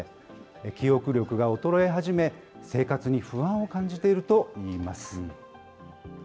記憶力が衰え始め、生活に不安を感じているといいます。